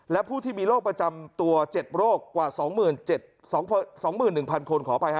และผู้ที่มีโรคประจำตัว๗โรคกว่า๒๑๐๐คนขออภัยฮะ